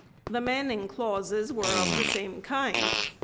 The manning clauses were of the same kind.